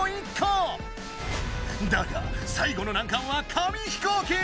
だが最後の難関は紙ひこうき！